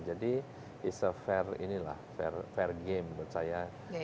jadi it's a fair game menurut saya